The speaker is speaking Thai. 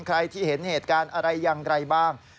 ใครที่เห็นเหตุการณ์อะไรอย่างไรบ้าง